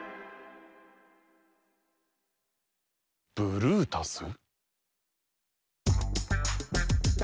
ブルータス。